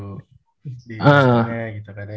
baru di pon nya gitu kan ya